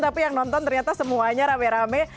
tapi yang nonton ternyata semuanya rame rame